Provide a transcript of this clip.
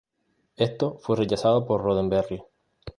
Esto fue rechazado por Roddenberry.